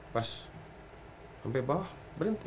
pas sampai bawah berhenti